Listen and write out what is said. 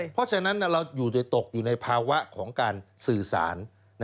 เพราะฉะนั้นเราตกอยู่ในภาวะของการสื่อสาร